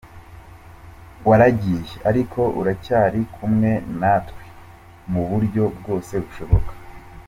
Waragiye ariko uracyari kumwe natwe mu buryo bwose bushoboka.